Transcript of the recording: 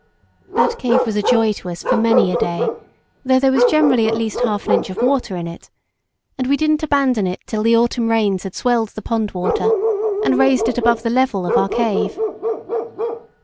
That cave was a joy to us for many a day, though there was generally at least half an inch of water in it; and we didn't abandon it till the autumn rains had swelled the pond water, and raised it above the level of our cave.